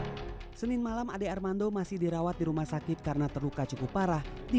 hai sening malam ade armando masih dirawat di rumah sakit karena terluka cukup parah di